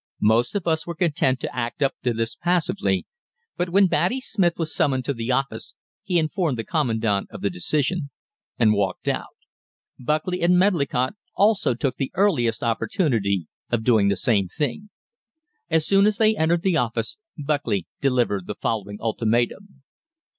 Most of us were content to act up to this passively, but when Batty Smith was summoned to the office he informed the Commandant of the decision and walked out. Buckley and Medlicott also took the earliest opportunity of doing the same thing. As soon as they entered the office, Buckley delivered the following ultimatum.